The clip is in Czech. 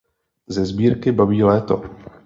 Ze sbírky "Babí léto".